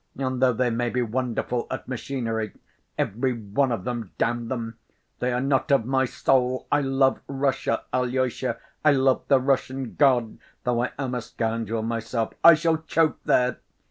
And though they may be wonderful at machinery, every one of them, damn them, they are not of my soul. I love Russia, Alyosha, I love the Russian God, though I am a scoundrel myself. I shall choke there!"